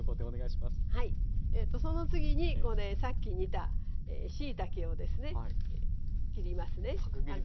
はいその次にさっき煮たしいたけをですね切りますね。